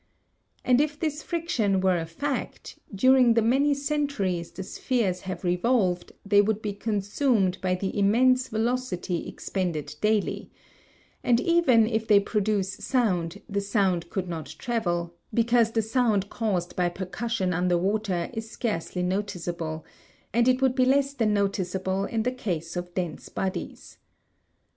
And if this friction were a fact, during the many centuries the spheres have revolved they would be consumed by the immense velocity expended daily; and even if they produce sound, the sound could not travel, because the sound caused by percussion under water is scarcely noticeable, and it would be less than noticeable in the case of dense bodies.